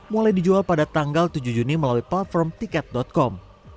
mulai dijual pada tanggal tujuh juni melalui platform tiket com